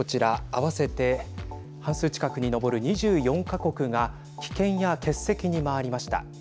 合わせて半数近くに上る２４か国が棄権や欠席に回りました。